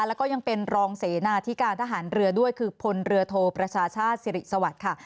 แล้วก็ยังเป็นรองเสนาที่การทหารเรือด้วยคือพลเรือโทประชาชาติสิริสวัสดิ์ค่ะ